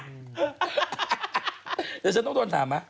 เดี๋ยวฉันต้องโดนถามมา